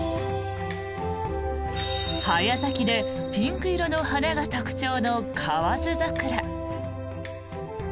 早咲きでピンク色の花が特徴のカワヅザクラ。